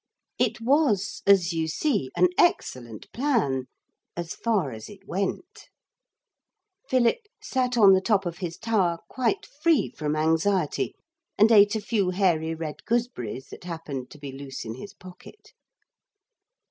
It was, as you see, an excellent plan, as far as it went. Philip sat on the top of his tower quite free from anxiety, and ate a few hairy red gooseberries that happened to be loose in his pocket.